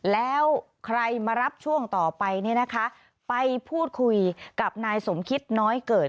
แล้วใครมารับช่วงต่อไปไปพูดคุยกับนายสมคิตน้อยเกิด